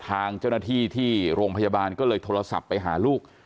ทางเจ้าหน้าที่ที่โรงพยาบาลก็เลยโทรศัพท์ไปหาลูก